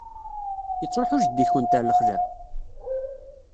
Yettṛuḥu jeddi-tkent ɣer lexla?